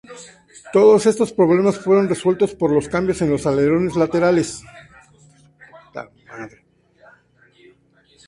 Todos estos problemas fueron resueltos por los cambios en los alerones laterales.